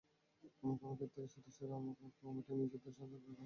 কোনো কোনো ক্ষেত্রে সদস্যরা কমিটিকে নিজেদের স্বার্থ রক্ষার হাতিয়ার হিসেবে ব্যবহার করেন।